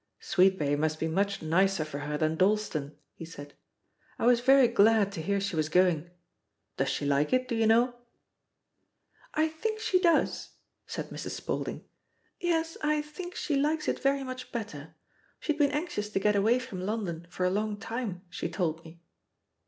"Sweetbay must be much nicer for her than Dalston," he said; "I was very glad to hear she was going. Does she like it, do you know?" "I think she does," said Mrs. Spaulding; "yes, I think she likes it very much better. She'd been anxious to get away from London for a long time, she told me.'